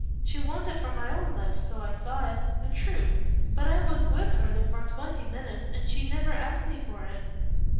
She wanted from my own lips so I saw it the truth. But I was with her for twenty minutes, and she never asked me for it."